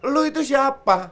lu itu siapa